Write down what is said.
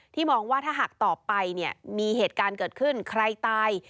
มองว่าถ้าหากต่อไปเนี่ยมีเหตุการณ์เกิดขึ้นใครตาย